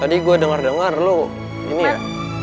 tadi gua dengar dengar lu gini ya